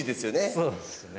そうですね。